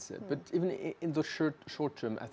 saya ingin memberikan contoh